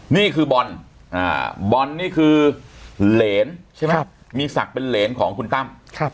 นี่คือบอลบอลนี่คือเหรนใช่ไหมมีศักดิ์เป็นเหรนของคุณตั้ม